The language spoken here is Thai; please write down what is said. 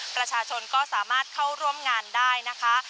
ประชาชนก็สามารถเข้าร่วมงานได้นะคะ